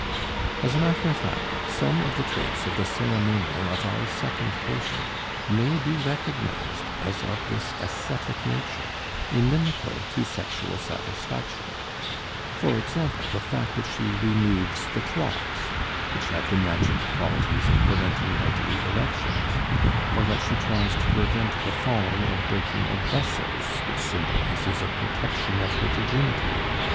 As a matter of fact, some of the traits of the ceremonial of our second patient may be recognized as of this ascetic nature, inimical to sexual satisfaction; for example, the fact that she removes the clocks, which have the magic qualities of preventing nightly erections, or that she tries to prevent the falling and breaking of vessels, which symbolizes a protection of her virginity.